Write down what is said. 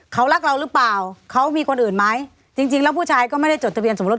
เขารักเราหรือเปล่าเขามีคนอื่นไหมจริงจริงแล้วผู้ชายก็ไม่ได้จดทะเบียนสมรส